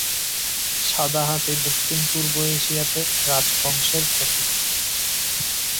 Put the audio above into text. সাদা হাতি দক্ষিণ পূর্ব এশিয়াতে রাজ বংশের প্রতীক।